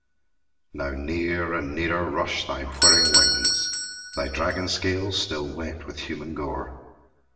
Now near and nearer rush thy whirring wings, Thy dragon scales still wet with human gore.